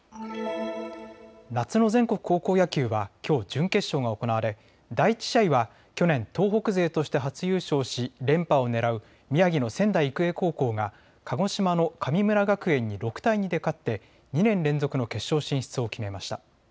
夏の全国高校野球はきょう準決勝が行われ第１試合は去年、東北勢として初優勝し連覇をねらう宮城の仙台育英高校が鹿児島の神村学園に６対２で勝って２年連続の決勝進出を決めました。